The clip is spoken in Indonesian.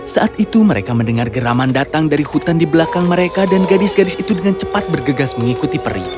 saat itu mereka mendengar geraman datang dari hutan di belakang mereka dan gadis gadis itu dengan cepat bergegas mengikuti peri